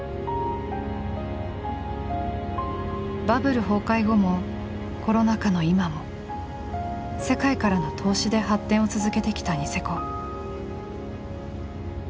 バブル崩壊後もコロナ禍の今も世界からの投資で発展を続けてきたニセコ。